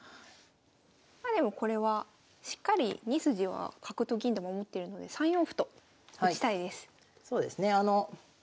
まあでもこれはしっかり２筋は角と銀で守ってるので３四歩と打ちたいです。